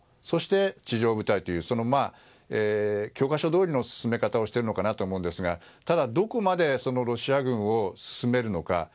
そして地上部隊という教科書どおりの進め方をしているのかなと思うんですがただ、どこまでロシア軍を進めるのか。